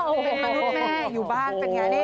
มนุษย์แม่อยู่บ้านเป็นยังไง